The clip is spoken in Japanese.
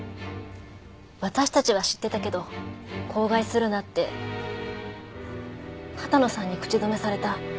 私たちは知ってたけど口外するなって羽田野さんに口止めされた。